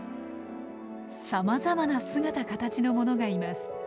さまざまな姿形のものがいます。